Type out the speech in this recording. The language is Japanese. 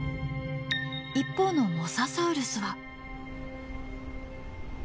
一方のモササウルスは？